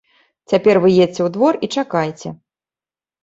Цяпер вы едзьце ў двор і чакайце.